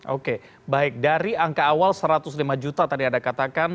oke baik dari angka awal rp satu ratus lima tadi ada katakan